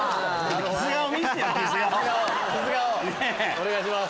お願いします。